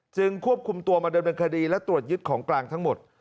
จึงควบคุมตัวมาเดินบรรคดีและตรวจยึดของกลางทั้งหมด